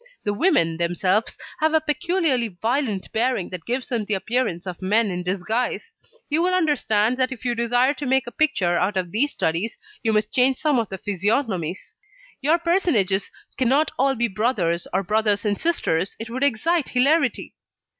The women, themselves, have a peculiarly violent bearing that gives them the appearance of men in disguise. You will understand that if you desire to make a picture out of these studies, you must change some of the physiognomies; your personages cannot all be brothers, or brothers and sisters, it would excite hilarity."